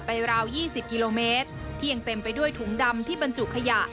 ราว๒๐กิโลเมตรที่ยังเต็มไปด้วยถุงดำที่บรรจุขยะ